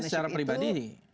saya secara pribadi